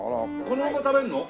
このまま食べるの？